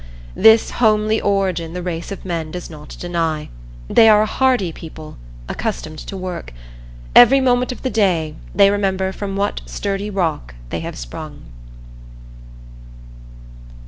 This homely origin the race of men does not deny; they are a hardy people, accustomed to work. Every moment of the day they remember from what sturdy stock they have sprung.